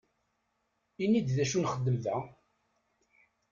Ini-d d acu nxeddem da!